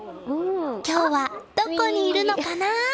今日はどこにいるのかな？